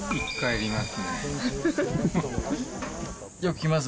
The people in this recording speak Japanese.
よく来ます。